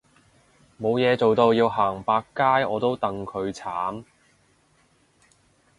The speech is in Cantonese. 冇嘢做到要行百佳我都戥佢慘